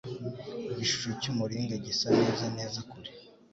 Igishusho cy'umuringa gisa neza neza kure.